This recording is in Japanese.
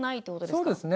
そうですね。